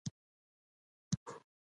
نو ورزش دې خامخا کوي